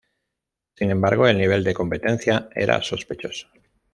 Sin embargo, el nivel de competencia era sospechoso.